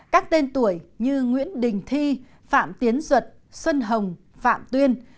các tên tuổi như nguyễn đình thi phạm tiến duật xuân hồng phạm tuyên